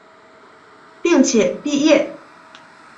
并且毕业。